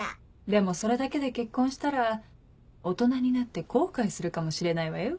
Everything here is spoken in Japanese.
でもそれだけで結婚したら大人になって後悔するかもしれないわよ。